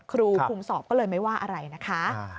ครูคุมสอบก็เลยไม่ว่าอะไรนะคะ